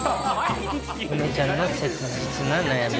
梅ちゃんの切実な悩み。